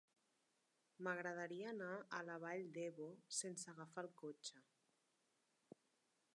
M'agradaria anar a la Vall d'Ebo sense agafar el cotxe.